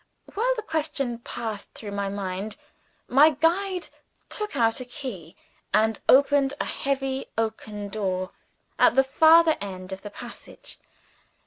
While the question passed through my mind, my guide took out a key, and opened a heavy oaken door at the further end of the passage.